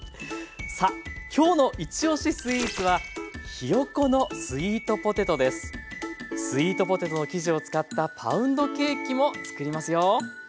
さあ今日の「いちおしスイーツ」はスイートポテトの生地を使ったパウンドケーキもつくりますよ。